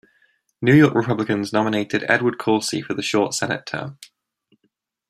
New York Republicans nominated Edward Corsi for the short Senate term.